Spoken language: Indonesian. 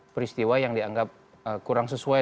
peristiwa yang dianggap kurang sesuai